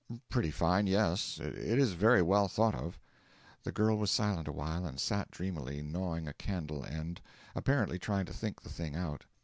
'Pretty fine, yes. It is very well thought of.' The girl was silent awhile, and sat dreamily gnawing a candle end, apparently trying to think the thing out.